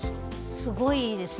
すごい、いいですね。